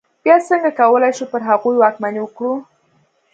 بیا څنګه کولای شو پر هغوی واکمني وکړو.